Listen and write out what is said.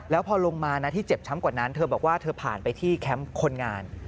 แล้วพอลงมานะที่เจ็บช้ำกว่านั้นเธอบอกว่าเธอผ่านไปที่แคมป์คนงาน